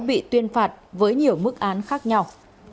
bị tuyên phạt với nhiều mức án khác nhau